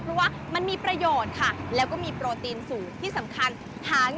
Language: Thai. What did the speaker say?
เพราะมันมีประโยชน์และมีโปรตีนศูนย์ที่สำคัญห่าง่ายและอร่อยนั่นเอง